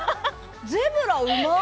ゼブラうま！